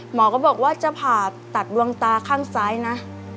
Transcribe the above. หมอก็บอกว่าจะผ่าตัดดวงตาข้างซ้ายนะ